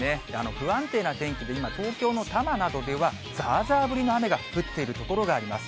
不安定な天気で、今、東京の多摩などでは、ざーざー降りの雨が降っている所があります。